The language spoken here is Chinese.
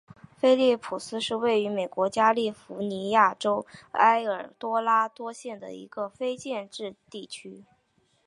菲利普斯是位于美国加利福尼亚州埃尔多拉多县的一个非建制地区。